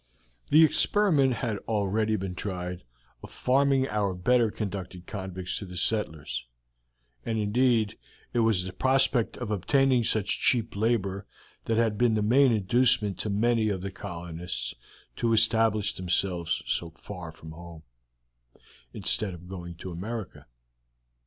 The experiment had already been tried of farming our better conducted convicts to the settlers, and indeed it was the prospect of obtaining such cheap labor that had been the main inducement to many of the colonists to establish themselves so far from home, instead of going to America.